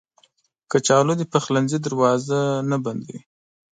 کچالو د پخلنځي دروازه نه بندوي